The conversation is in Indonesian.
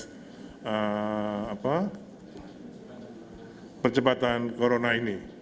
ini semua disediakan oleh perkembangan corona ini